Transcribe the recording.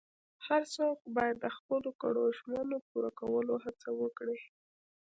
هر څوک باید د خپلو کړو ژمنو پوره کولو هڅه وکړي.